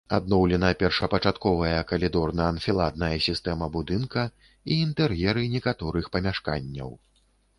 Адноўлена першапачатковая калідорна-анфіладная сістэма будынка і інтэр'еры некаторых памяшканняў.